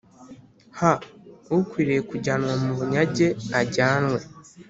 H ukwiriye kujyanwa mu bunyage ajyanwe